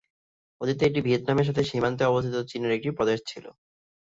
অতীতে এটি ভিয়েতনামের সাথে সীমান্তে অবস্থিত চীনের একটি প্রদেশ ছিল।